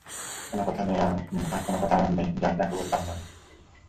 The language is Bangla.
কোনো কথা আমার নেই যা আপনাকে বলতে আমার বাধবে।